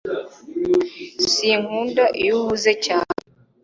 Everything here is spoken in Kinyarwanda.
Sinkunda iyo uhuze cyane